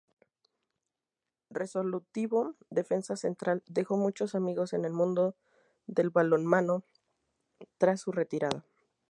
Resolutivo defensa central, dejó muchos amigos en el mundo del balonmano tras su retirada.